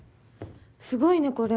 すごいねこれ。